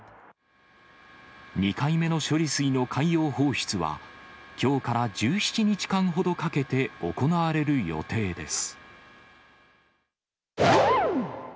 ２回目の処理水の海洋放出は、きょうから１７日間ほどかけて行われる予定です。